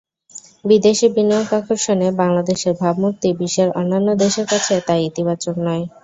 বিদেশি বিনিয়োগ আকর্ষণে বাংলাদেশের ভাবমূর্তি বিশ্বের অন্যান্য দেশের কাছে তাই ইতিবাচক নয়।